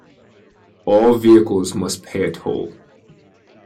All vehicles must pay a toll.